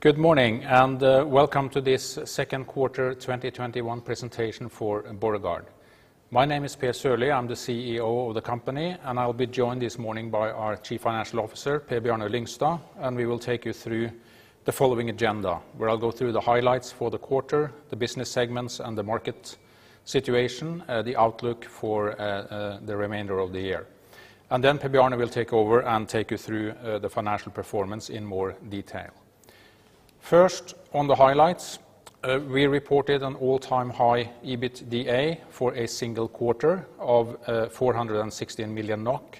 Good morning, welcome to this second quarter 2021 presentation for Borregaard. My name is Per Sørlie, I'm the CEO of the company, and I'll be joined this morning by our Chief Financial Officer, Per Bjarne Lyngstad, and we will take you through the following agenda, where I'll go through the highlights for the quarter, the business segments and the market situation, the outlook for the remainder of the year. Then Per-Bjarne will take over and take you through the financial performance in more detail. First, on the highlights, we reported an all-time high EBITDA for a single quarter of 416 million NOK.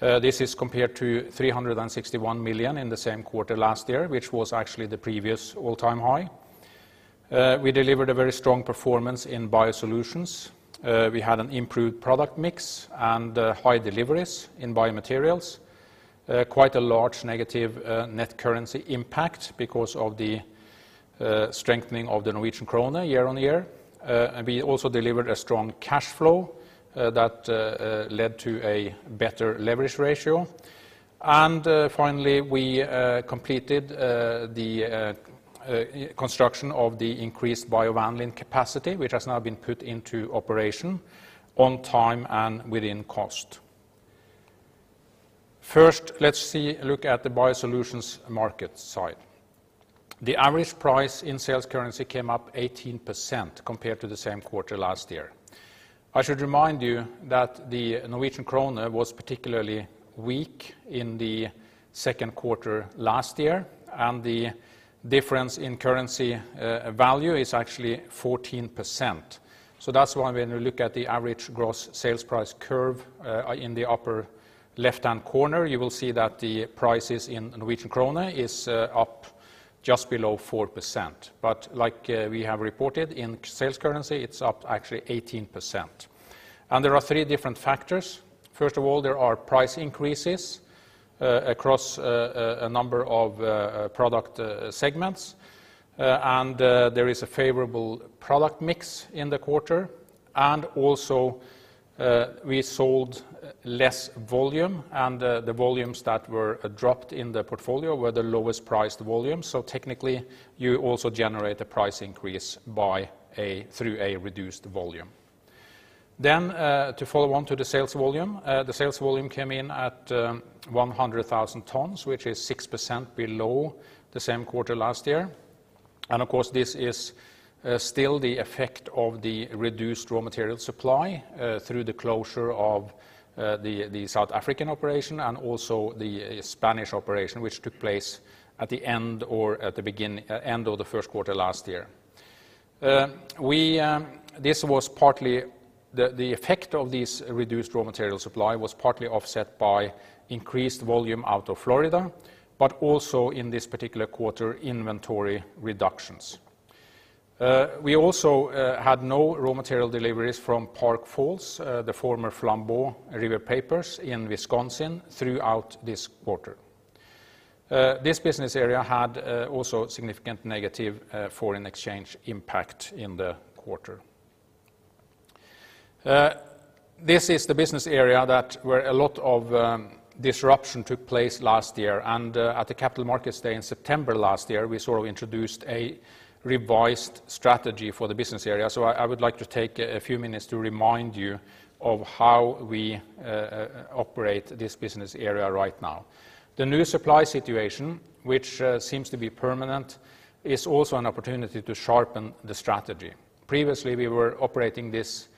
This is compared to 361 million in the same quarter last year, which was actually the previous all-time high. We delivered a very strong performance in BioSolutions. We had an improved product mix and high deliveries in BioMaterials. Quite a large negative net currency impact because of the strengthening of the Norwegian krone year on year. Finally, we completed the construction of the increased biovanillin capacity, which has now been put into operation on time and within cost. Let's look at the BioSolutions market side. The average price in sales currency came up 18% compared to the same quarter last year. I should remind you that the Norwegian krone was particularly weak in the second quarter last year, and the difference in currency value is actually 14%. That's why when you look at the average gross sales price curve in the upper left-hand corner, you will see that the prices in Norwegian krone is up just below 4%. Like we have reported in sales currency, it's up actually 18%. There are three different factors. First of all, there are price increases across a number of product segments, and there is a favorable product mix in the quarter. Also, we sold less volume, and the volumes that were dropped in the portfolio were the lowest priced volume. Technically, you also generate a price increase through a reduced volume. To follow on to the sales volume. The sales volume came in at 100,000 tons, which is 6% below the same quarter last year. Of course, this is still the effect of the reduced raw material supply through the closure of the South African operation and also the Spanish operation, which took place at the end of the first quarter last year. The effect of this reduced raw material supply was partly offset by increased volume out of Florida, but also in this particular quarter, inventory reductions. We also had no raw material deliveries from Park Falls, the former Flambeau River Papers in Wisconsin, throughout this quarter. This business area had also significant negative foreign exchange impact in the quarter. This is the business area where a lot of disruption took place last year. At the Capital Markets Day in September last year, we introduced a revised strategy for the business area. I would like to take a few minutes to remind you of how we operate this business area right now. The new supply situation, which seems to be permanent, is also an opportunity to sharpen the strategy. Previously, we were operating this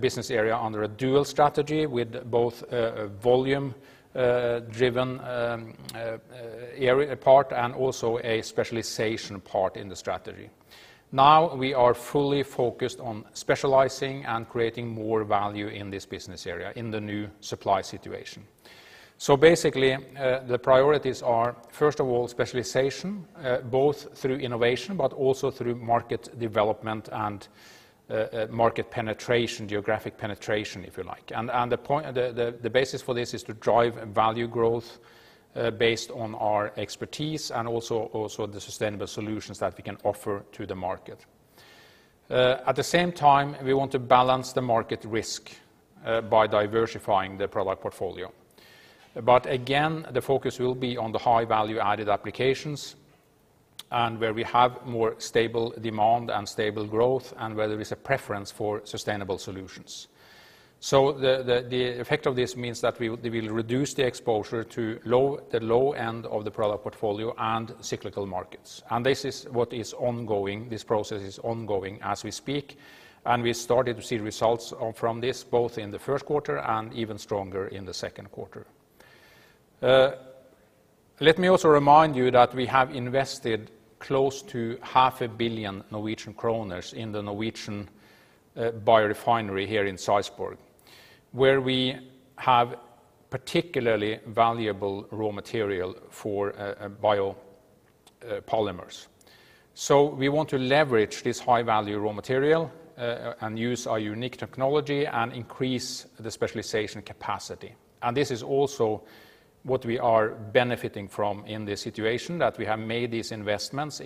business area under a dual strategy with both a volume-driven part and also a specialization part in the strategy. Now, we are fully focused on specializing and creating more value in this business area in the new supply situation. Basically, the priorities are, first of all, specialization, both through innovation but also through market development and market penetration, geographic penetration, if you like. The basis for this is to drive value growth based on our expertise and also the sustainable solutions that we can offer to the market. At the same time, we want to balance the market risk by diversifying the product portfolio. Again, the focus will be on the high value-added applications and where we have more stable demand and stable growth and where there is a preference for sustainable solutions. The effect of this means that we will reduce the exposure to the low end of the product portfolio and cyclical markets. This is what is ongoing. This process is ongoing as we speak. We started to see results from this both in the first quarter and even stronger in the second quarter. Let me also remind you that we have invested close to half a billion Norwegian kroner in the Norwegian biorefinery here in Sarpsborg, where we have particularly valuable raw material for biopolymers. We want to leverage this high-value raw material and use our unique technology and increase the specialization capacity. This is also what we are benefiting from in this situation, that we have made these investments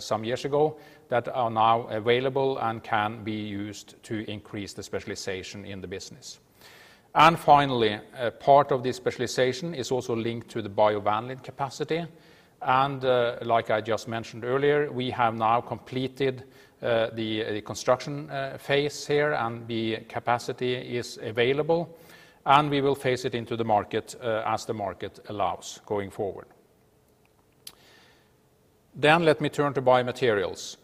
some years ago that are now available and can be used to increase the specialization in the business. Finally, part of this specialization is also linked to the biovanillin capacity. Like I just mentioned earlier, we have now completed the construction phase here, and the capacity is available, and we will phase it into the market as the market allows going forward. Let me turn to BioMaterials.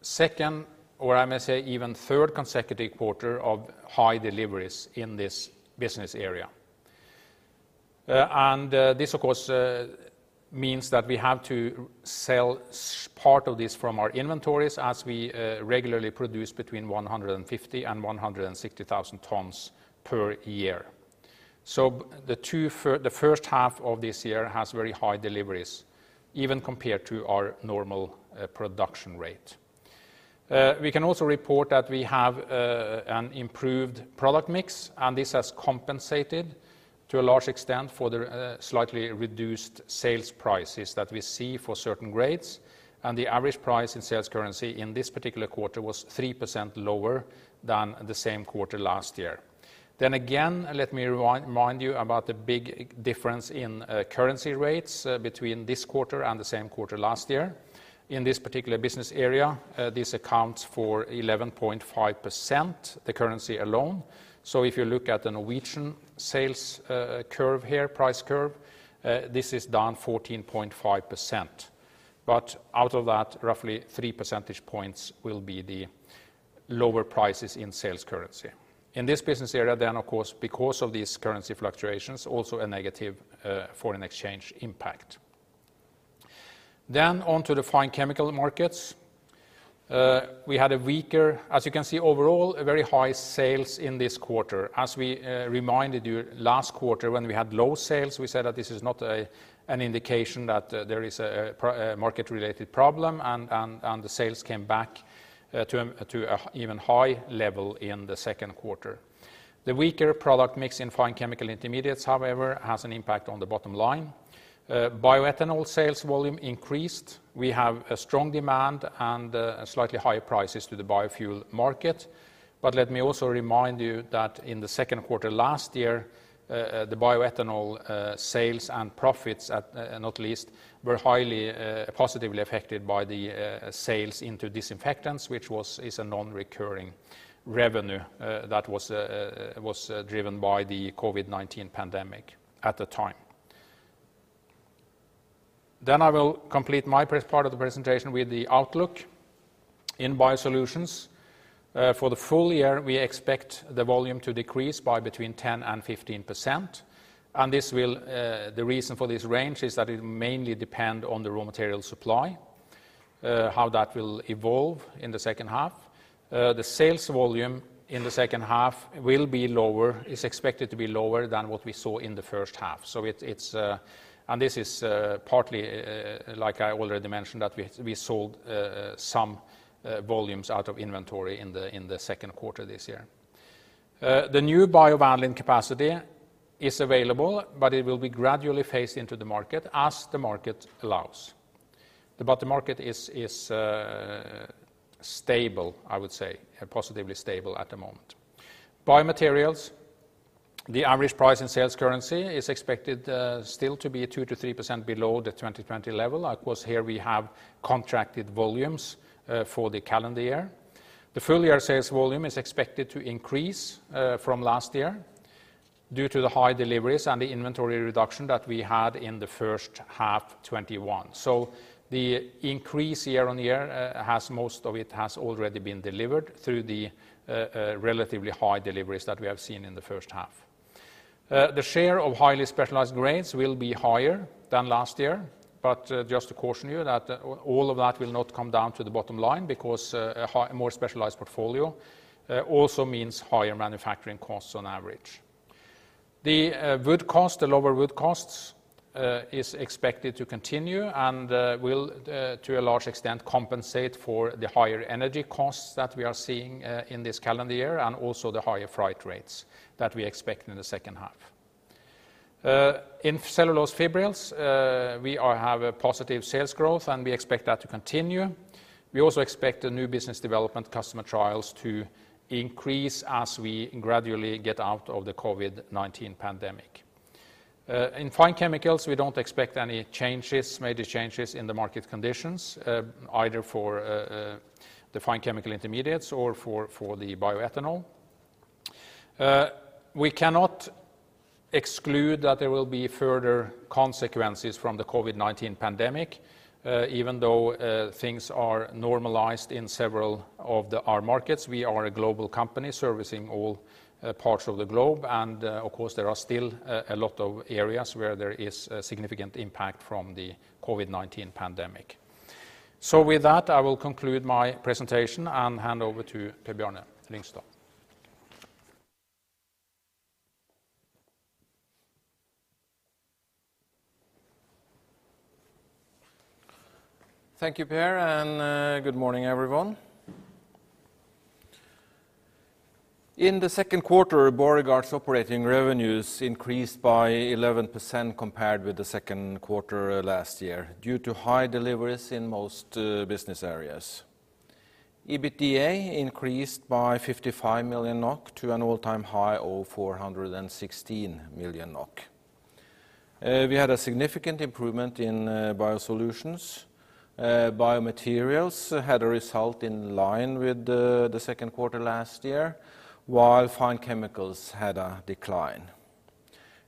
Second, or I may say even third consecutive quarter of high deliveries in this business area. This, of course, means that we have to sell part of this from our inventories as we regularly produce between 150,000 and 160,000 tons per year. The first half of this year has very high deliveries, even compared to our normal production rate. We can also report that we have an improved product mix, and this has compensated to a large extent for the slightly reduced sales prices that we see for certain grades. The average price in sales currency in this particular quarter was 3% lower than the same quarter last year. Again, let me remind you about the big difference in currency rates between this quarter and the same quarter last year. In this particular business area, this accounts for 11.5%, the currency alone. If you look at the Norwegian sales curve here, price curve, this is down 14.5%. Out of that, roughly 3 percentage points will be the lower prices in sales currency. In this business area then, of course, because of these currency fluctuations, also a negative foreign exchange impact. On to the Fine Chemicals markets. As you can see overall, very high sales in this quarter. As we reminded you last quarter when we had low sales, we said that this is not an indication that there is a market-related problem, and the sales came back to an even higher level in the second quarter. The weaker product mix in fine chemical intermediates, however, has an impact on the bottom line. Bioethanol sales volume increased. We have a strong demand and slightly higher prices to the biofuel market. Let me also remind you that in the second quarter last year, the bioethanol sales and profits at not least were highly positively affected by the sales into disinfectants, which is a non-recurring revenue that was driven by the COVID-19 pandemic at the time. I will complete my part of the presentation with the outlook in BioSolutions. For the full year, we expect the volume to decrease by between 10% and 15%. The reason for this range is that it will mainly depend on the raw material supply, how that will evolve in the second half. The sales volume in the second half is expected to be lower than what we saw in the first half. This is partly, like I already mentioned, that we sold some volumes out of inventory in the second quarter this year. The new biovanillin capacity is available, but it will be gradually phased into the market as the market allows. The market is stable, I would say, positively stable at the moment. BioMaterials, the average price in sales currency is expected still to be 2%-3% below the 2020 level. Of course, here we have contracted volumes for the calendar year. The full-year sales volume is expected to increase from last year due to the high deliveries and the inventory reduction that we had in the first half 2021. The increase year-on-year, most of it has already been delivered through the relatively high deliveries that we have seen in the first half. The share of highly specialized grades will be higher than last year, but just to caution you that all of that will not come down to the bottom line because a more specialized portfolio also means higher manufacturing costs on average. The lower wood costs is expected to continue and will, to a large extent, compensate for the higher energy costs that we are seeing in this calendar year and also the higher freight rates that we expect in the second half. In cellulose fibrils, we have a positive sales growth, and we expect that to continue. We also expect the new business development customer trials to increase as we gradually get out of the COVID-19 pandemic. In Fine Chemicals, we don't expect any major changes in the market conditions, either for the fine chemical intermediates or for the bioethanol. We cannot exclude that there will be further consequences from the COVID-19 pandemic, even though things are normalized in several of our markets. We are a global company servicing all parts of the globe. Of course, there are still a lot of areas where there is a significant impact from the COVID-19 pandemic. With that, I will conclude my presentation and hand over to Per Bjarne Lyngstad. Thank you, Per, and good morning, everyone. In the second quarter, Borregaard's operating revenues increased by 11% compared with the second quarter last year due to high deliveries in most business areas. EBITDA increased by 55 million NOK to an all-time high of 416 million NOK. We had a significant improvement in BioSolutions. BioMaterials had a result in line with the second quarter last year, while Fine Chemicals had a decline.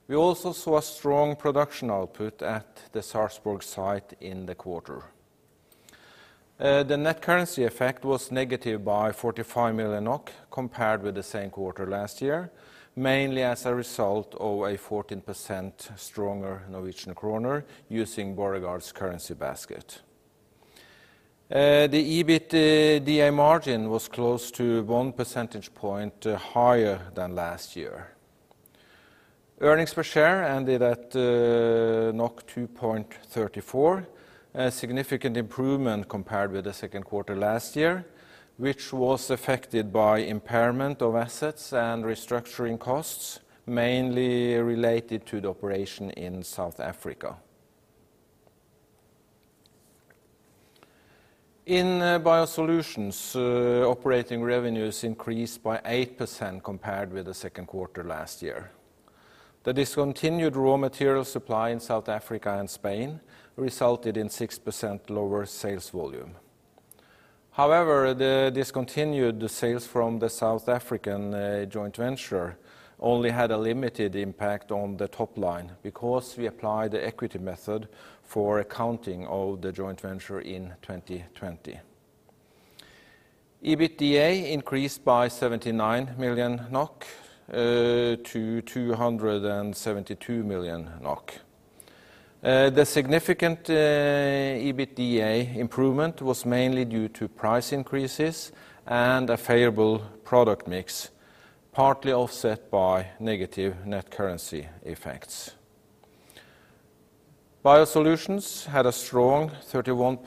We also saw a strong production output at the Sarpsborg site in the quarter. The net currency effect was negative by 45 million NOK compared with the same quarter last year, mainly as a result of a 14% stronger Norwegian kroner using Borregaard's currency basket. The EBITDA margin was close to 1 percentage point higher than last year. Earnings per share ended at 2.34, a significant improvement compared with the second quarter last year, which was affected by impairment of assets and restructuring costs, mainly related to the operation in South Africa. In BioSolutions, operating revenues increased by 8% compared with the second quarter last year. The discontinued raw material supply in South Africa and Spain resulted in 6% lower sales volume. However, the discontinued sales from the South African joint venture only had a limited impact on the top line because we applied the equity method for accounting of the joint venture in 2020. EBITDA increased by 79 million NOK to 272 million NOK. The significant EBITDA improvement was mainly due to price increases and a favorable product mix, partly offset by negative net currency effects. BioSolutions had a strong 31%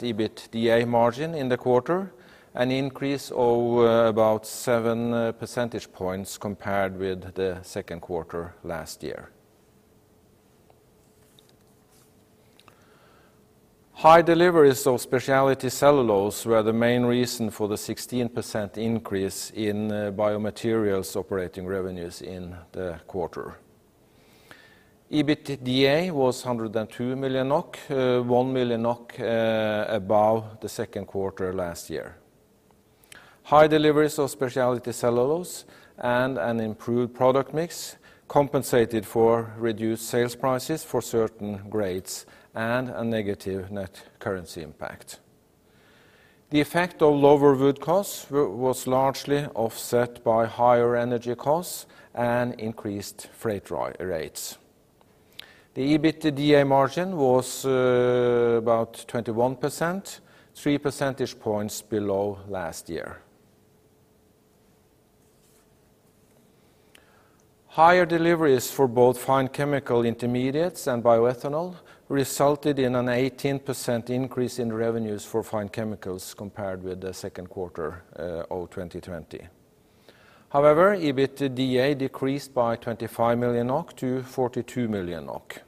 EBITDA margin in the quarter, an increase of about 7 percentage points compared with the second quarter last year. High deliveries of speciality cellulose were the main reason for the 16% increase in BioMaterials operating revenues in the quarter. EBITDA was 102 million NOK, 1 million NOK above the second quarter last year. High deliveries of speciality cellulose and an improved product mix compensated for reduced sales prices for certain grades and a negative net currency impact. The effect of lower wood costs was largely offset by higher energy costs and increased freight rates. The EBITDA margin was about 21%, 3 percentage points below last year. Higher deliveries for both fine chemical intermediates and bioethanol resulted in an 18% increase in revenues for Fine Chemicals compared with the second quarter of 2020. However, EBITDA decreased by 25 million NOK to 42 million NOK.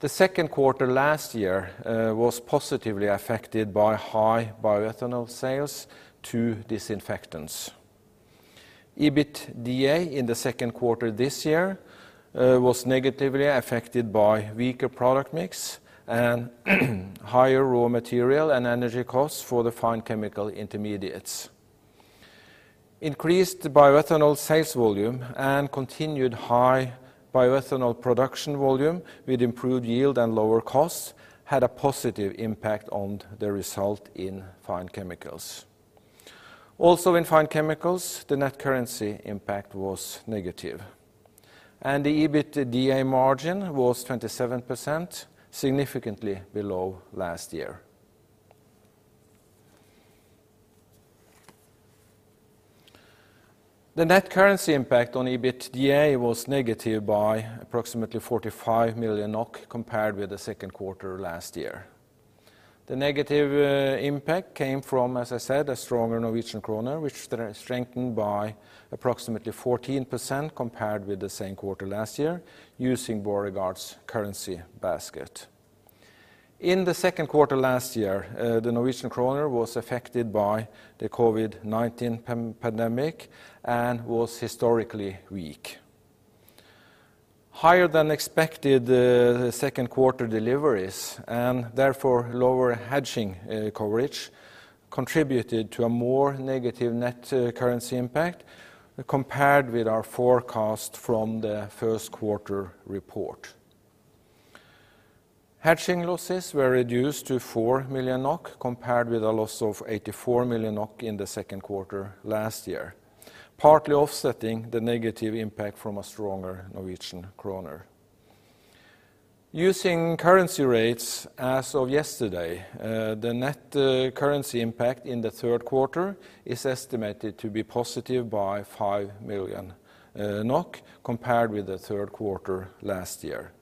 The second quarter last year was positively affected by high bioethanol sales to disinfectants. EBITDA in the second quarter this year was negatively affected by weaker product mix and higher raw material and energy costs for the fine chemical intermediates. Increased bioethanol sales volume and continued high bioethanol production volume with improved yield and lower costs had a positive impact on the result in Fine Chemicals. Also in Fine Chemicals, the net currency impact was negative, and the EBITDA margin was 27%, significantly below last year. The net currency impact on EBITDA was negative by approximately 45 million NOK compared with the second quarter last year. The negative impact came from, as I said, a stronger Norwegian kroner, which strengthened by approximately 14% compared with the same quarter last year using Borregaard's currency basket. In the second quarter last year, the Norwegian krone was affected by the COVID-19 pandemic and was historically weak. Higher than expected second quarter deliveries, and therefore lower hedging coverage, contributed to a more negative net currency impact compared with our forecast from the first quarter report. Hedging losses were reduced to 4 million NOK, compared with a loss of 84 million NOK in the second quarter last year, partly offsetting the negative impact from a stronger Norwegian krone. Using currency rates as of yesterday, the net currency impact in the third quarter is estimated to be positive by 5 million NOK compared with the third quarter last year.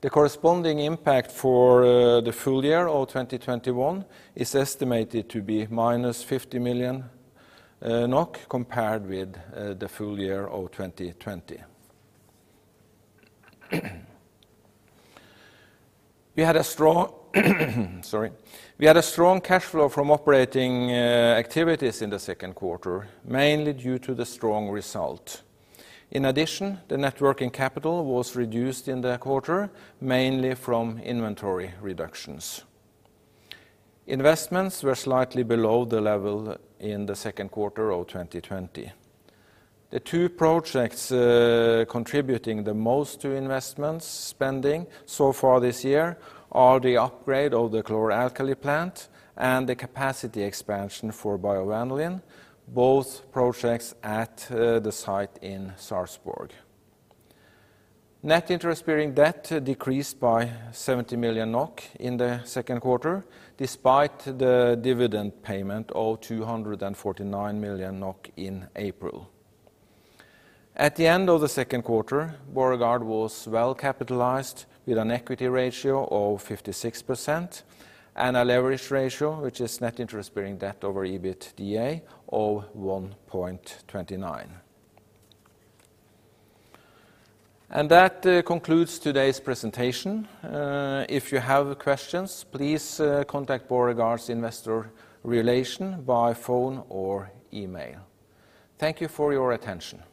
The corresponding impact for the full year of 2021 is estimated to be -50 million NOK compared with the full year of 2020. Sorry. We had a strong cash flow from operating activities in the second quarter, mainly due to the strong result. The net working capital was reduced in the quarter, mainly from inventory reductions. Investments were slightly below the level in the second quarter of 2020. The two projects contributing the most to investments spending so far this year are the upgrade of the chlor-alkali plant and the capacity expansion for biovanillin, both projects at the site in Sarpsborg. Net interest-bearing debt decreased by 70 million NOK in the second quarter, despite the dividend payment of 249 million NOK in April. At the end of the second quarter, Borregaard was well capitalized with an equity ratio of 56% and a leverage ratio, which is net interest-bearing debt over EBITDA, of 1.29. That concludes today's presentation. If you have questions, please contact Borregaard's investor relation by phone or email. Thank you for your attention.